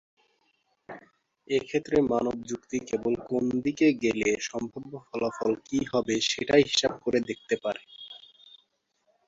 এক্ষেত্রে মানব যুক্তি কেবল কোন দিকে গেলে সাম্ভাব্য ফলাফল কী হবে সেটাই হিসাব করে দেখতে পারে।